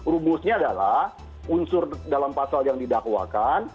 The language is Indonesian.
rumusnya adalah unsur dalam pasal yang didakwakan